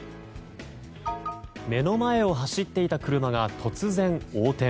目の前を走っていた車が突然、横転。